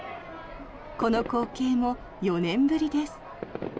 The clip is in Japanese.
この光景も４年ぶりです。